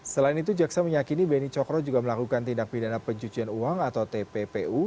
selain itu jaksa meyakini beni cokro juga melakukan tindak pidana pencucian uang atau tppu